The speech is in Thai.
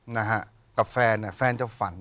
นะฮะกับแฟนเนี่ยแฟนจะฝัน